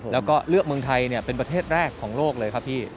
แล้วก็เลือกเมืองไทยเป็นประเทศแรกของโลกเลยครับพี่